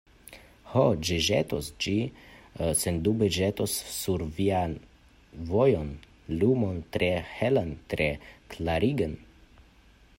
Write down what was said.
Ho, ĝi ĵetos, ĝi sendube ĵetos sur vian vojon lumon tre helan, tre klarigan!